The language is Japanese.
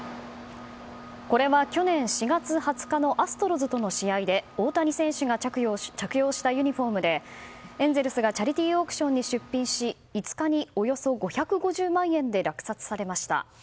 これは去年４月２０日のアストロズとの試合で大谷選手が着用したユニホームでエンゼルスがチャリティーオークションに出品し５日におよそ５５０万円で落札されました。